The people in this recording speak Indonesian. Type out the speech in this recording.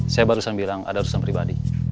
saya barusan bilang ada urusan pribadi